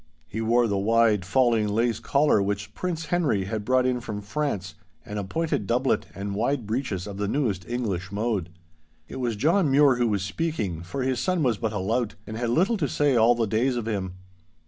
He wore the wide, falling lace collar which Prince Henry had brought in from France, and a pointed doublet and wide breeches of the newest English mode. It was John Mure who was speaking, for his son was but a lout, and had little to say all the days of him.